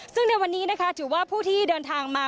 ซึ่งในวันนี้นะคะถือว่าผู้ที่เดินทางมา